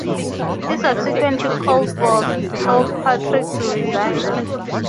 He subsequently called for Kilpatrick to resign.